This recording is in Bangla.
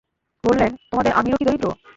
বললেন, তোমাদের আমীরও কি দরিদ্র?